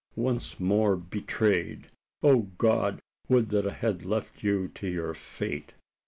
Once more betrayed! O God! would that I had left you to your fate!"